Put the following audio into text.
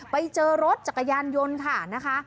ไปเจอรถจักรยานยนต์ค่ะนะคะ